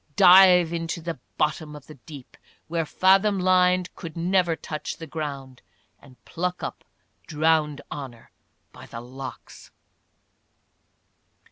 ' dive into the bottom of the deep, Where falhom line could never touch the ground, And pluck up drowned honour by the locks.'